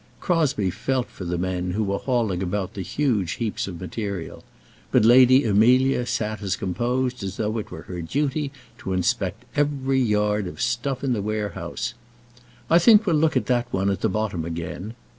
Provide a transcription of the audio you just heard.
Crosbie felt for the men who were hauling about the huge heaps of material; but Lady Amelia sat as composed as though it were her duty to inspect every yard of stuff in the warehouse. "I think we'll look at that one at the bottom again."